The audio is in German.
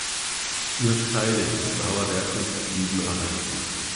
Nur Teile des Mauerwerkes blieben erhalten.